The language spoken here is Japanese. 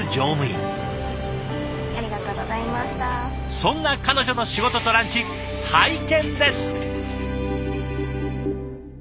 そんな彼女の仕事とランチ拝見です！